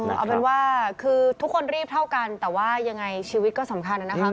เอาเป็นว่าคือทุกคนรีบเท่ากันแต่ว่ายังไงชีวิตก็สำคัญนะครับ